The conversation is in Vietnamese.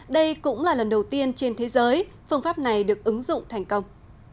đây cũng là lần đầu tiên trên thế giới phương pháp này được ứng dụng thành công